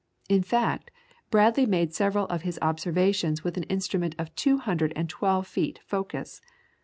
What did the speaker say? In fact, Bradley made several of his observations with an instrument of two hundred and twelve feet focus.